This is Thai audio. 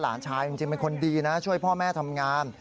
หลานชายจริงเป็นคนดีนะช่วยพ่อแม่ทำงาน